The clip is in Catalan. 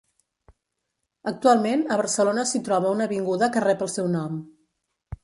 Actualment a Barcelona s'hi troba una avinguda que rep el seu nom.